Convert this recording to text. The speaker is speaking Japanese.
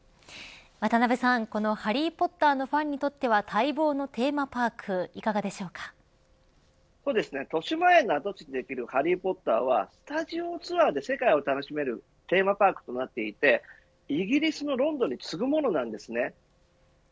渡辺さん、ハリー・ポッターのファンにとっては待望のテーマパークとしまえんの跡地にできるハリー・ポッターはスタジオツアーで世界を楽しめるテーマパークとなっていてイギリスのロンドンに次ぐものです。